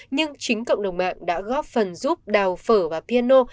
nhưng chính cộng đồng mạng đã góp phần giúp đào phở và piano